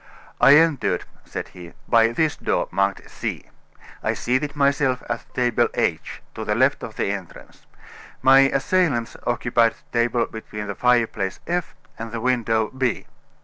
"I entered," said he, "by this door, marked C; I seated myself at the table, H, to the left of the entrance: my assailants occupied the table between the fireplace, F, and the window, B."